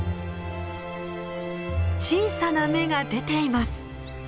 小さな芽が出ています。